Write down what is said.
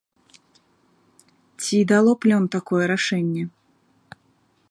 Ці дало плён такое рашэнне?